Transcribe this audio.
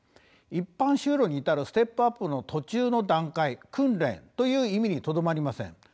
一般就労に至るステップアップの途中の段階訓練という意味にとどまりません。